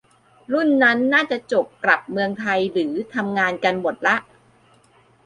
รุ่นนั้นน่าจะจบกลับเมืองไทยหรือทำงานกันหมดละ